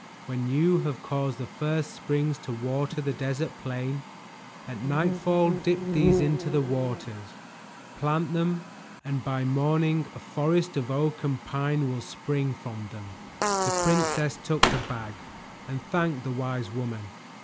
When you have caused the first springs to water the desert plain, at nightfall dip these into the waters, plant them and by morning a forest of oak and pine will spring from them." The princess took the bag and thanked the wise woman.